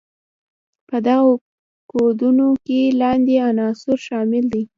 په دغو کودونو کې لاندې عناصر شامل دي.